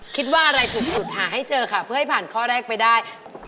คิดว่าอะไรถูกสุดหาให้เจอค่ะเพื่อให้ผ่านข้อแรกไปได้